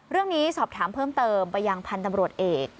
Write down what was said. เรื่องนี้สอบถามเพิ่มเติมไปยังพันธุ์ตำรวจเอก